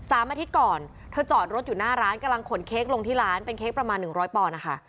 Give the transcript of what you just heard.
อาทิตย์ก่อนเธอจอดรถอยู่หน้าร้านกำลังขนเค้กลงที่ร้านเป็นเค้กประมาณหนึ่งร้อยปอนด์นะคะ